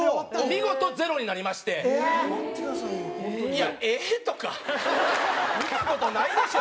いや「ええー」とか見た事ないでしょ！